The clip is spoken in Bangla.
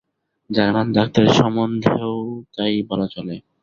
জার্মান ডাক্তারের সম্বন্ধেও তাই বলা চলে।